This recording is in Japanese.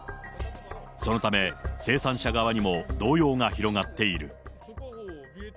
そのため、生産者側にも動揺が広がっている。